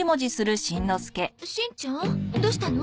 しんちゃんどうしたの？